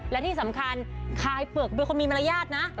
แล้วที่สำคัญกายเปลือกดูความมีมณญาณนะ